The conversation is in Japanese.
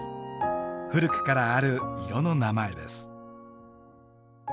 古くからある色の名前です。